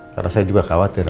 karena saya juga khawatir